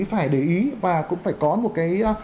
phải để ý và cũng phải có một cái